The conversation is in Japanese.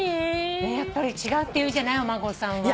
やっぱり違うっていうじゃないお孫さんは。